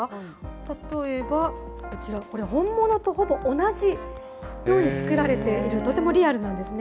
例えばこちら、これ、本物とほぼ同じように作られていて、とてもリアルなんですね。